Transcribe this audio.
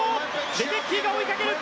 レデッキーが追いかける！